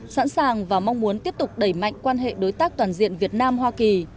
sẵn sàng và mong muốn tiếp tục đẩy mạnh quan hệ đối tác toàn diện việt nam hoa kỳ